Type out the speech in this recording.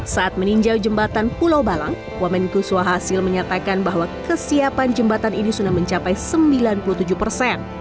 saat meninjau jembatan pulau balang wamen kuswa hasil menyatakan bahwa kesiapan jembatan ini sudah mencapai sembilan puluh tujuh persen